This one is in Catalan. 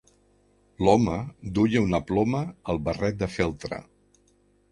L'home duia una ploma al barret de feltre.